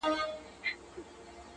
وېريږي نه خو انگازه يې بله.